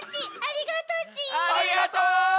ありがとう！